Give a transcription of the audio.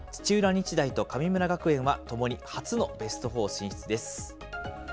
日大と神村学園はともに初のベストフォー進出です。